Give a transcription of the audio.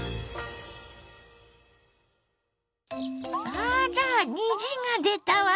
あら虹が出たわ！